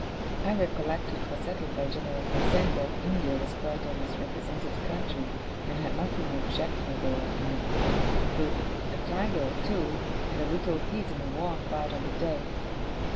I recollect it was settled by general consent that India was quite a misrepresented country, and had nothing objectionable in it, but a tiger or two, and a little heat in the warm part of the day.